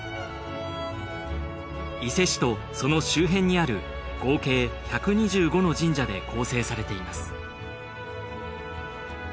伊勢市とその周辺にある合計１２５の神社で構成されています